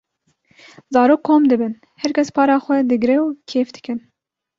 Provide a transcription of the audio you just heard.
zarok kom dibin herkes para xwe digre û kêf dikin.